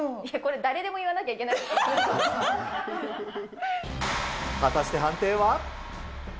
誰でも言わなきゃいけないか果たして判定は？